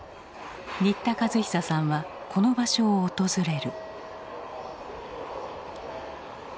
新田和久さんはこの場所を訪れる。